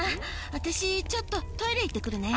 私ちょっとトイレ行ってくるね。